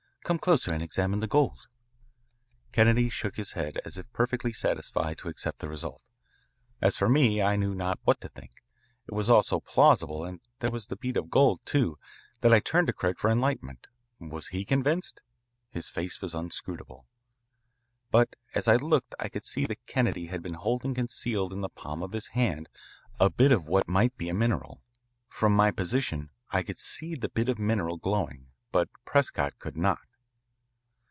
Come closer and examine the gold." Kennedy shook his head as if perfectly satisfied to accept the result. As for me I knew not what to think. It was all so plausible and there was the bead of gold, too, that I turned to Craig for enlightenment. Was he convinced? His face was inscrutable. But as I looked I could see that Kennedy had been holding concealed in the palm of his hand a bit of what might be a mineral. From my position I could see the bit of mineral glowing, but Prescott could not.